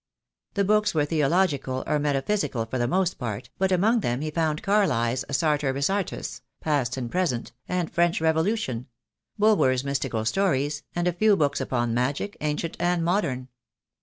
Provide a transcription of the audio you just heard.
The books were theo logical or metaphysical for the most part, but among them he found Carlyle's "Sartor Resartus," "Past and Present," and "French Revolution;" Bulwer's mystical stories, and a few books upon magic, ancient and modern.